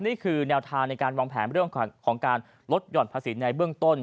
นี่คือแนวทางในการวางแผนเบื้องต้น